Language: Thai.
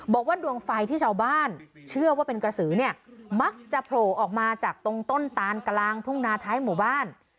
บอกว่าดวงไฟที่ชาวบ้านเชื่อว่าเป็นกระสือเนี่ยมักจะโผล่ออกมาจากตรงต้นตานกลางทุ่งนาท้ายหมู่บ้าน